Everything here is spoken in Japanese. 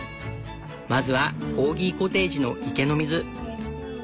まずはコーギコテージの池の水。